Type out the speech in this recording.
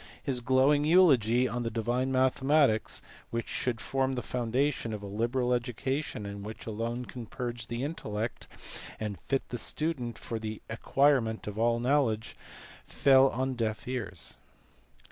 His glowing eulogy on " divine mathematics " which should form the foundation of a liberal education and which "alone can purge the intellect and fit the student for the acquirement of all knowledge " fell on deaf ears.